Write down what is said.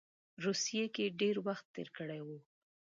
روسیې کې ډېر وخت تېر کړی وو.